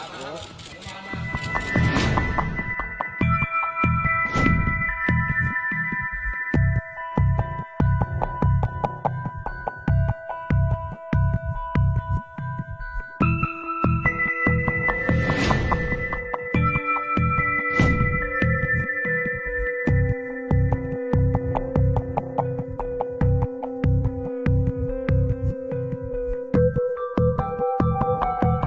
มันเป็นแบบที่สุดท้ายแต่มันเป็นแบบที่สุดท้าย